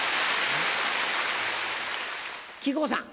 木久扇さん。